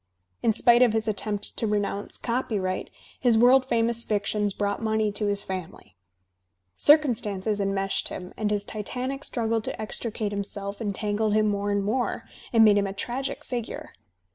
In spite of his attempt to renounce copyright, his world famous fictions brought money to his family. Circumstances en meshed him, and his titanic struggle to extricate himself entangled him more and more, and made him a tragic figure.